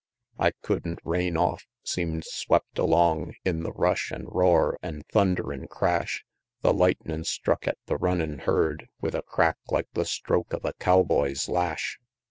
XL. I couldn't rein off seem'd swept along In the rush an' roar an' thunderin' crash; The lightnin' struck at the runnin' herd With a crack like the stroke of a cowboy's lash.